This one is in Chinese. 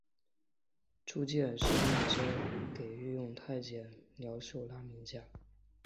朱见深命令交给御用监太监廖寿拉名下。